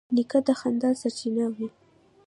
نیکه د خندا سرچینه وي.